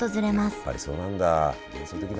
やっぱりそうなんだ。